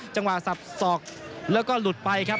จังหวะสับสอกแล้วก็หลุดไปครับ